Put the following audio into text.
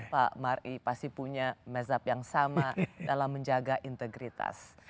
pak mari pasti punya mazhab yang sama dalam menjaga integritas